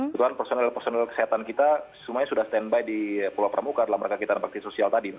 kemudian personel personel kesehatan kita semuanya sudah stand by di pulau pramuka dalam rakyat kekejatan bakti sosial tadi